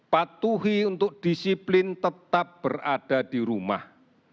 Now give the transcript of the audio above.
patuhi untuk disiplin tetap berada di rumah